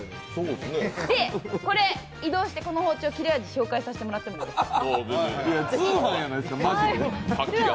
これ、移動してこの包丁の切れ味紹介してもいいですか？